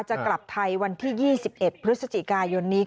จะกลับไทยวันที่๒๑พฤศจิกายนนี้